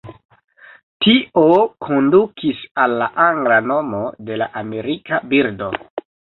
Tio kondukis al la angla nomo de la amerika birdo.